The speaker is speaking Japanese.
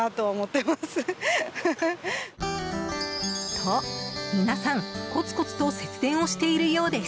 と皆さん、コツコツと節電をしているようです。